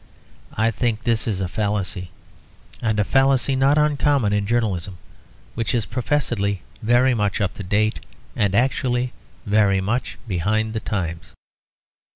I think this a fallacy, and a fallacy not uncommon in journalism, which is professedly very much up to date, and actually very much behind the times.